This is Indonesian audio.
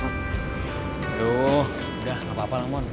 aduh udah gak apa apa lah mon